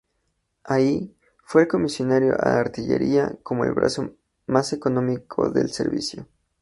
Ahí, fue comisionado a artillería como el brazo más económico del servicio.